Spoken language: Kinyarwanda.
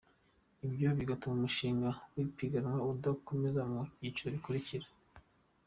Ibyo bigatuma umushinga w’ipiganwa udakomeza mu cyiciro gikurikira.